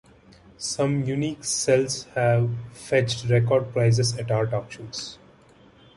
Some unique cels have fetched record prices at art auctions.